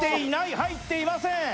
入っていません。